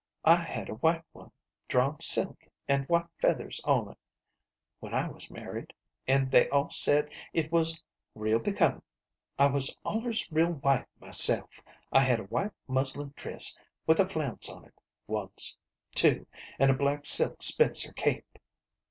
"J had a white one, drawn silk, an' SISTER LIDD Y 9I white feathers on't, when I was married, and they all said it was real becomin'. I was allers real white myself. I had a white muslin dress with a flounce on it, once, too, an' a black silk spencer cape."